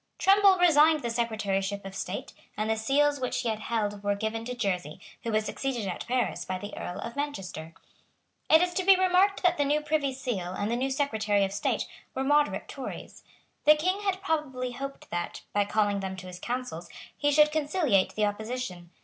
Trumball resigned the Secretaryship of State; and the Seals which he had held were given to Jersey, who was succeeded at Paris by the Earl of Manchester. It is to be remarked that the new Privy Seal and the new Secretary of State were moderate Tories. The King had probably hoped that, by calling them to his councils, he should conciliate the opposition.